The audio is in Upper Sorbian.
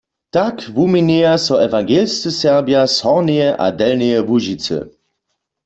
Tak wuměnjeja so ewangelscy Serbja z Hornjeje a Delnjeje Łužicy.